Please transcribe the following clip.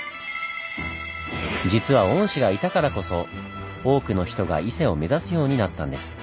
実は御師がいたからこそ多くの人が伊勢を目指すようになったんです。